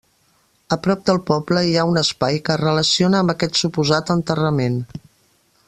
A prop del poble hi ha un espai que es relaciona amb aquest suposat enterrament.